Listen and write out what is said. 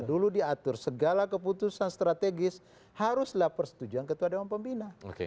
dulu diatur segala keputusan strategis haruslah persetujuan ketua dewan pembina